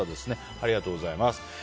ありがとうございます。